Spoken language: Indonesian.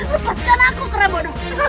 lepaskan aku kerabun